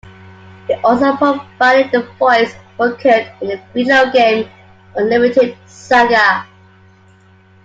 He also provided the voice for Kurt in the video game "Unlimited Saga".